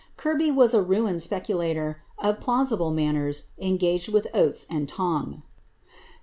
Kirby ms ft ruined speculator, of plausible manners, engaged with Oates and ong.'